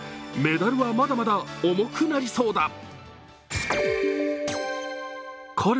メダルはまだまだ重くなりそうだ。